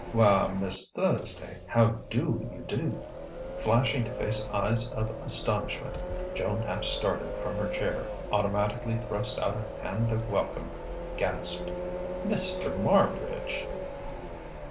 "Why, Miss Thursday, how do you do?" Flashing to his face eyes of astonishment, Joan half started from her chair, automatically thrust out a hand of welcome, gasped: "Mr. Marbridge!"